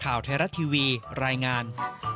ข่าวไทยรัฐทีวีรายงาน